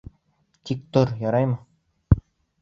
Тик тор, яраймы!